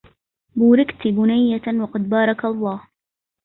بوركت بنية وقد بارك الله